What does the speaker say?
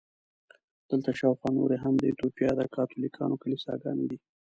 دلته شاوخوا نورې هم د ایټوپیا د کاتولیکانو کلیساګانې دي.